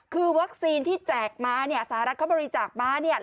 คือว็อคซีนที่สารักษณ์วิทยาลัยของเขาบริจาคมาเนี่ย